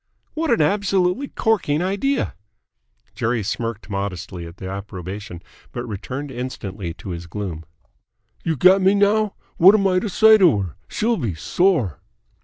"What an absolutely corking idea!" Jerry smirked modestly at the approbation, but returned instantly to his gloom. "You get me now? What am I to say to her? She'll be sore!"